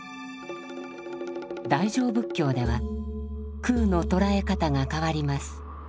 大乗仏教では空の捉え方が変わります。